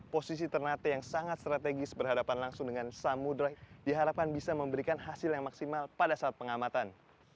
posisi ternate yang sangat strategis berhadapan langsung dengan samudera diharapkan bisa memberikan hasil yang maksimal pada saat pengamatan